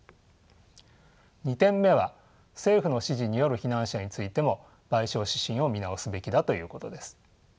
２点目は政府の指示による避難者についても賠償指針を見直すべきだということです。